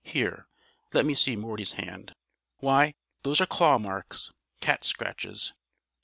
Here, let me see Morty's hand. Why, those are claw marks! Cat scratches!"